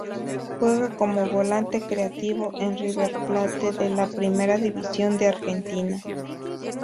Juega como volante creativo en River Plate de la Primera División de Argentina.